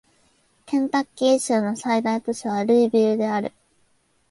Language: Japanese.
ケンタッキー州の最大都市はルイビルである